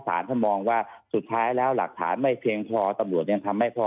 ท่านมองว่าสุดท้ายแล้วหลักฐานไม่เพียงพอตำรวจยังทำไม่พอ